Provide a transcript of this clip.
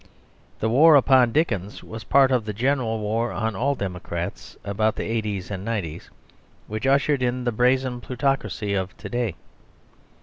The war upon Dickens was part of the general war on all democrats, about the eighties and nineties, which ushered in the brazen plutocracy of to day.